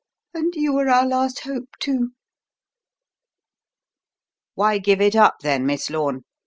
And you were our last hope, too!" "Why give it up then, Miss Lorne?"